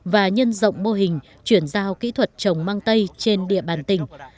và nhân rộng mô hình chuyển giao kỹ thuật trồng mang tây trên địa bàn tỉnh